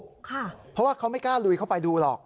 เพราะว่าเขาไม่กล้าลุยเข้าไปดูหรอก